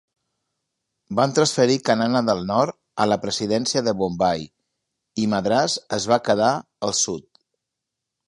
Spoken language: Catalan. Van transferir Kanara del nord a la Presidència de Bombai, i Madràs es va quedar el sud.